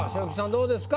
どうですか？